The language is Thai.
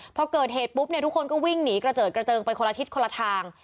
พอเกิดเหตุปุ๊บเนี่ยทุกคนก็วิ่งหนีกระเจิดกระเจิงไปคนละทิศคนละทาง